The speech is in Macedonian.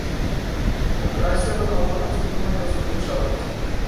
Покрај себе на ланец го има јазовичарот.